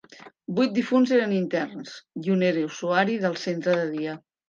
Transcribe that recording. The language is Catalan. Vuit difunts eren interns i un era usuari del centre de dia.